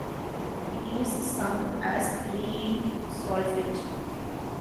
It is sung as re in solfege.